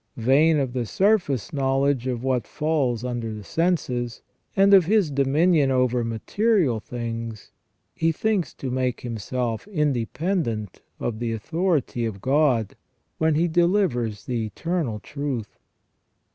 Vain of the surface know ledge of what falls under the senses, and of his dominion over material things, he thinks to make himself independent of the authority of God, when He delivers the eternal truth.